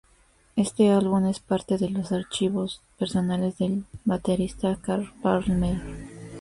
Este álbum es parte de los archivos personales del baterista Carl Palmer.